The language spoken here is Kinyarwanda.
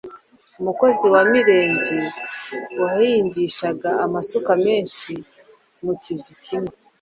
umukozi wa mirenge wahingishaga amasuka menshi mu kivi kimwe.